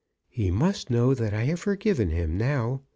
"He must know that I have forgiven him now!"